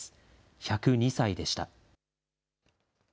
１０２歳でした。